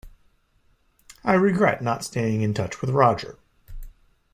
I regret not staying in touch with Roger.